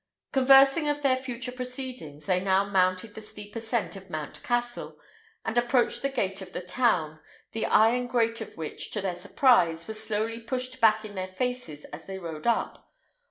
Conversing of their future proceedings, they now mounted the steep ascent of Mount Cassel, and approached the gate of the town, the iron grate of which, to their surprise, was slowly pushed back in their faces as they rode up.